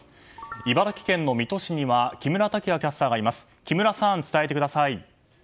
茨城県の水戸市には木村拓也キャスターがいます。